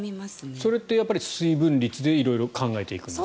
それって水分率で色々考えていくんですか。